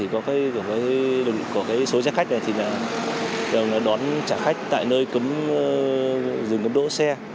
có số xe khách đón chạm khách tại nơi cấm rừng cấm đỗ xe